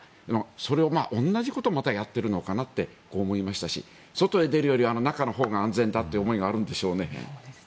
それを同じことをまたやっているのかなと思いましたし外へ出るより中のほうが安全だという思いがあるんでしょうね。